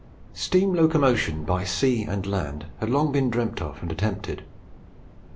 Steam locomotion by sea and land, had long been dreamt of and attempted.